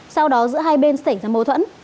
sau đó giữa hai bên xảy ra mâu thuẫn